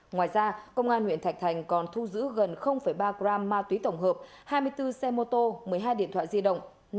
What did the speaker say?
ngoài ra công an huyện thạch thành còn thu giữ gần ba gram ma túy tổng hợp hai mươi bốn xe mô tô một mươi hai điện thoại di động